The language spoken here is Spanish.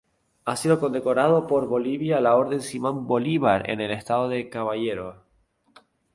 Ha sido condecorado por Bolivia la Orden Simón Bolívar en el grado de Caballero.